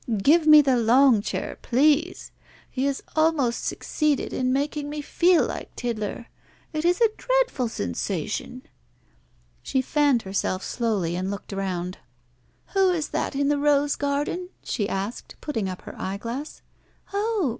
Give me the long chair, please. He has almost succeeded in making me feel like Tiddler. It is a dreadful sensation." She fanned herself slowly and looked round. "Who is that in the rose garden?" she asked, putting up her eyeglass. "Oh!